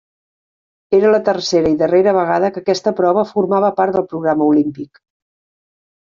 Era la tercera i darrera vegada que aquesta prova formava part del programa olímpic.